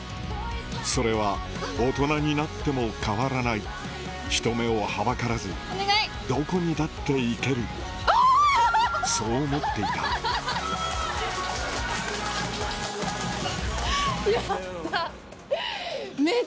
それは大人になっても変わらない人目をはばからずどこにだって行けるそう思っていたやった！